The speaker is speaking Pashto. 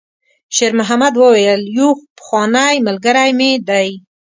شېرمحمد وویل: «یو پخوانی ملګری مې دی.»